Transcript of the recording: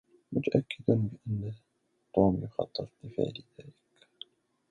متأكد بأن توم يخطط لفعل ذلك.